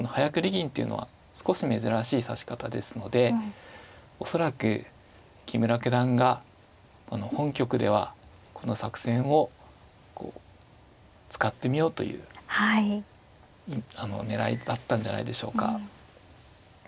銀っていうのは少し珍しい指し方ですので恐らく木村九段が本局ではこの作戦を使ってみようという狙いだったんじゃないでしょうか。